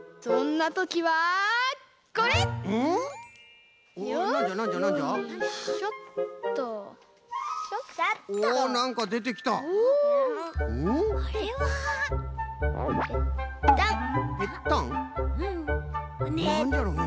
なんじゃろね。